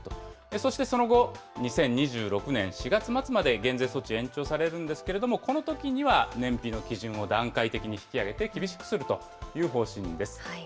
そしてその後、２０２６年４月末まで減税措置延長されるんですけれども、このときには燃費の基準を段階的に引き上げて厳しくするという方針です。